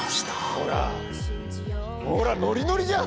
ほらノリノリじゃん。